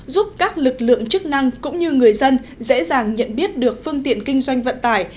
giúp các lực lượng chức năng cũng như người dân dễ dàng nhận biết được phương tiện kinh doanh vận tải